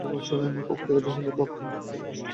অকৃতকার্য হইলে বক্ষের মধ্যে বেদনার সৃষ্টি করিতে থাকে।